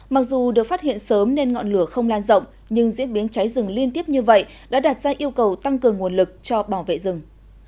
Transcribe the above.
mặc dù được phát hiện sớm nên ngọn lửa không lan rộng nhưng diễn biến cháy rừng liên tiếp như vậy đã đạt ra yêu cầu tăng cường nguồn lực cho bảo vệ rừng